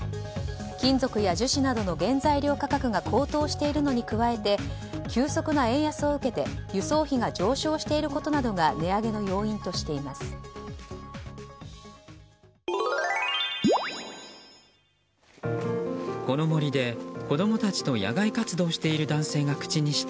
金属や樹脂などの原材料価格が高騰しているのに加えて急速な円安を受けて輸送費が上昇していることなどが値上げの要因としています。